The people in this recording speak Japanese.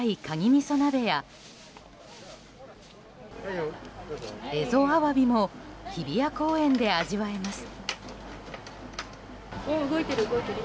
みそ鍋やエゾアワビも日比谷公園で味わえます。